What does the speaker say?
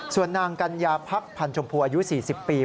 ส่วนนางกัญญาพักพันธ์ชมพูอายุ๔๐ปี